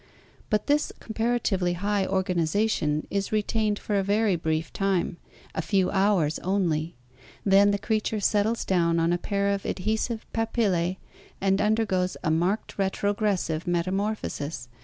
But this comparatively high organization is re tained for a very brief time, a few hours only. Then the creature settles down on a pair of adhe sive papilhe and under goes a marked retrogres sive metamorphosis (Fig.